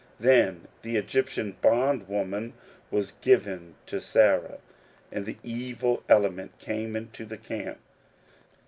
Then the Egyptian bondwoman was given to Sarah, and the evil element came into the camp.